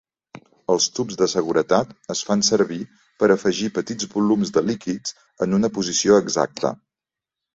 Els tubs de seguretat es fan servir per afegir petits volums de líquids en una posició exacta.